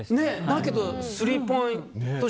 だけどスリーポイント